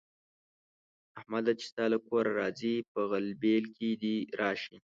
احمده! چې ستا له کوره راځي؛ په غلبېل کې دې راشي.